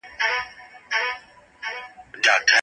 ولې باید د ټولنیزو بنسټونو درناوی وکړو؟